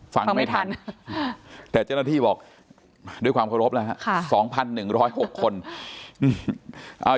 ฟังไม่ทันแต่เจ้าหน้าที่บอกด้วยความขอบลอบแล้วครับ